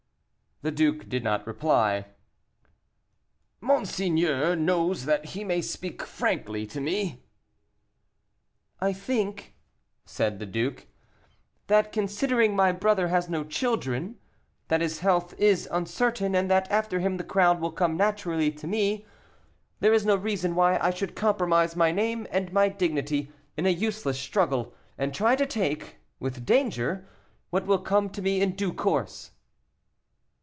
The duke did not reply. "Monseigneur knows that he may speak frankly to me." "I think," said the duke, "that considering my brother has no children, that his health is uncertain, and that after him the crown will come naturally to me, there is no reason why I should compromise my name and my dignity, in a useless struggle, and try to take, with danger, what will come to me in due course."